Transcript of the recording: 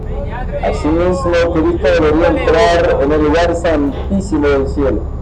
Asimismo Cristo debía entrar en el Lugar Santísimo del cielo.